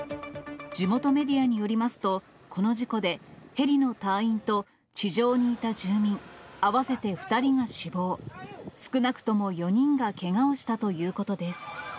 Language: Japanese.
地元メディアによりますと、この事故で、ヘリの隊員と地上にいた住民、合わせて２人が死亡、少なくとも４人がけがをしたということです。